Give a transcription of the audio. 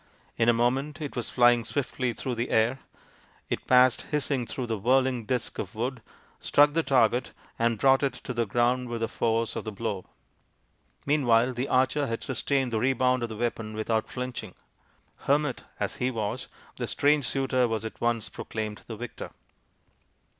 In a moment it was flying swiftly through the air; it passed hissing THE FIVE TALL SONS OF PANDU 81 through the whirling disc of wood, struck the target, and brought it to the ground with the force of the blow. Meanwhile the archer had sustained the rebound of the weapon without flinching. Hermit as he was, the strange suitor was at once proclaimed the victor.